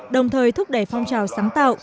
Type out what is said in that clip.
đồng thời thúc đẩy phong trào sáng tạo